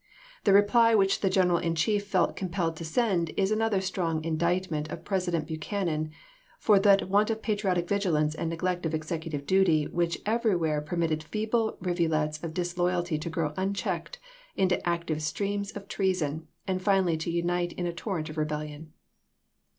The reply which the General in Chief felt compelled to send is another strong indictment of President Buchanan, for that want of patriotic vigilance and neglect of executive duty which everywhere permitted feeble rivulets of disloyalty to grow unchecked into active streams of treason, and finally to unite in a torrent of rebellion.